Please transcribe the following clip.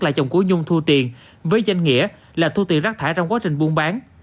là chồng của dung thu tiền với danh nghĩa là thu tiền rác thải trong quá trình buôn bán